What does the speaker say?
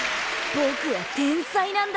ぼくは天才なんだ！